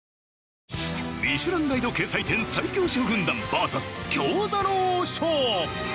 『ミシュランガイド』掲載店最強シェフ軍団ＶＳ餃子の王将。